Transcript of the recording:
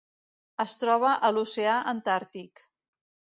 Es troba a l'Oceà Antàrtic.